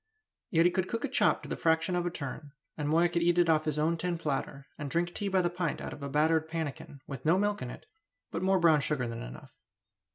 Yet he could cook a chop to the fraction of a turn; and Moya could eat it off his own tin platter, and drink tea by the pint out of a battered pannikin, with no milk in it, but more brown sugar than enough.